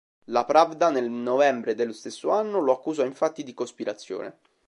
La Pravda, nel novembre dello stesso anno, lo accusò infatti di cospirazione.